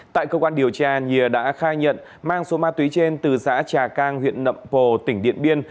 tại cơ quan điều tra nhìa đã khai nhận mang số ma túy trên từ xã trà cang huyện nậm pồ tỉnh điện biên